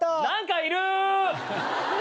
何かいる！